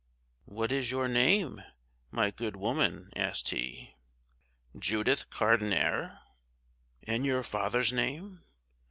"What is your name, my good woman?" asked he. "Judith Cardenier." "And your father's name?"